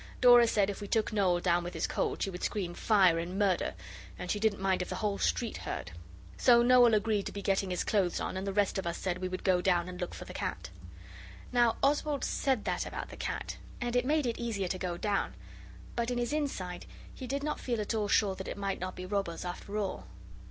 Dora said if we took Noel down with his cold, she would scream 'Fire!' and 'Murder!' and she didn't mind if the whole street heard. So Noel agreed to be getting his clothes on, and the rest of us said we would go down and look for the cat. Now Oswald said that about the cat, and it made it easier to go down, but in his inside he did not feel at all sure that it might not be robbers after all.